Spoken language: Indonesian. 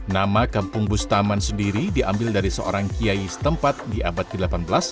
nama kampung bustaman sendiri diambil dari seorang kiai setempat di abad ke delapan belas